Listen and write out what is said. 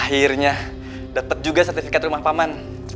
akhirnya dapat juga sertifikat rumah paman